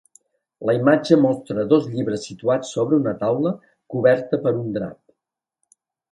La imatge mostra dos llibres situats sobre una taula coberta per un drap.